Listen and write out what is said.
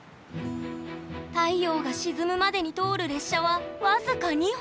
太陽が沈むまでに通る列車は僅か２本！